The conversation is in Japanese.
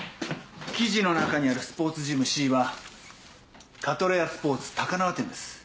記事の中にあるスポーツジムＣはカトレアスポーツ高輪店です。